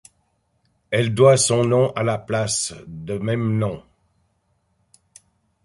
Elle doit son nom à la place de même nom.